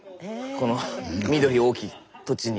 この緑多き土地に。